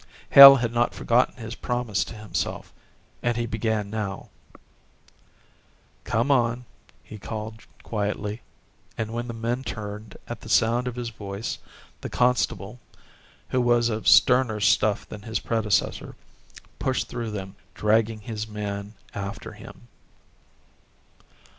Hale had not forgotten his promise to himself and he began now: "Come on," he called quietly, and when the men turned at the sound of his voice, the constable, who was of sterner stuff than his predecessor, pushed through them, dragging his man after him.